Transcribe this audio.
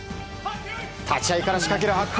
立ち合いから仕掛ける白鵬。